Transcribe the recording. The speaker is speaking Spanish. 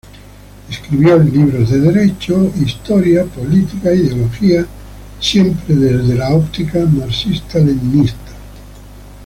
Escribió libros de derecho, historia, política, ideología, siempre desde la óptica marxista-leninista.